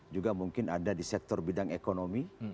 juga mungkin ada di sektor bidang ekonomi